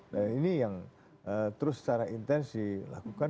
nah ini yang terus secara intens dilakukan